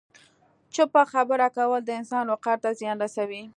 چپه خبره کول د انسان وقار ته زیان رسوي.